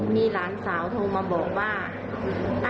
มีหลานสาวโทรมาบอกว่า